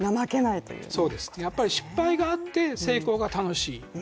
やっぱり失敗があって成功が楽しい。